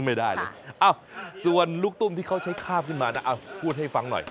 ไม่ได้เลยส่วนลูกตุ้มที่เขาใช้คาบขึ้นมานะเอาพูดให้ฟังหน่อย